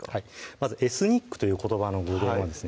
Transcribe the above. まずエスニックという言葉の語源はですね